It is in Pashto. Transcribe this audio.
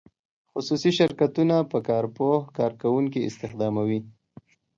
خصوصي شرکتونه په کار پوه کارکوونکي استخداموي.